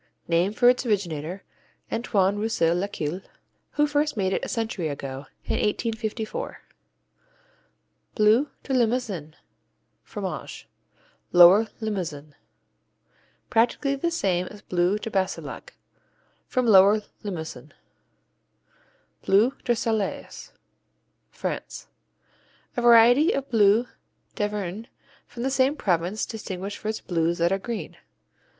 Named for its originator, Antoine Roussel Laqueuille, who first made it a century ago, in 1854. Bleu de Limousin, Fromage Lower Limousin Practically the same as Bleu de Bassillac, from Lower Limousin. Bleu de Salers France A variety of Bleu d'Auvergne from the same province distinguished for its blues that are green.